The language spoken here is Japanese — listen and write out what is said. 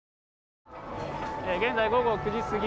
現在、午後９時過ぎ。